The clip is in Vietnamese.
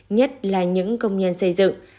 nhất là những công nhân xây dựng